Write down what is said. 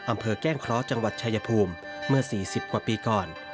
อำเภอแก้งเคราะห์จังหวัดชายภูมิเมื่อสี่สิบกว่าปีก่อน